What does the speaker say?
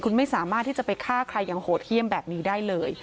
คุณไม่สามารถที่จะไปฆ่าใครอย่างโหดเยี่ยมแบบนี้ได้เลย